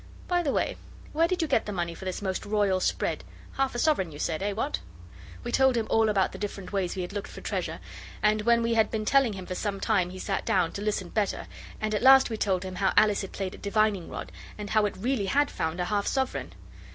By the way, where did you get the money for this most royal spread half a sovereign you said eh, what?' We told him all about the different ways we had looked for treasure, and when we had been telling some time he sat down, to listen better and at last we told him how Alice had played at divining rod, and how it really had found a half sovereign.